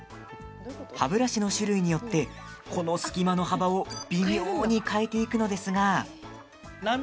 歯ブラシの種類によってこの隙間の幅を微妙に変えていくのですが。